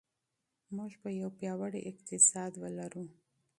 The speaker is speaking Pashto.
موږ به یو پیاوړی اقتصاد ولرو.